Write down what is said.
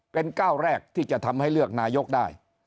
เป็นก้าวแรกที่จะทำให้เลือกนายกได้